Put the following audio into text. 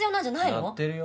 鳴ってるよ。